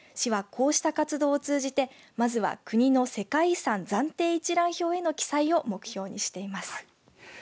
市はこうした活動を通じてまずは国の世界遺産暫定一覧表への記載を目標にしています。